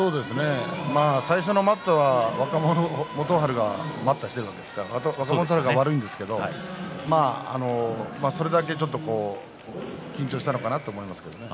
最初の待ったは若元春が待ったをしていたんですけどそれは悪いんですけどそれだけちょっと緊張したのかなと思いますね。